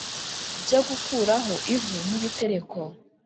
Byo gukuraho ivu n ibitereko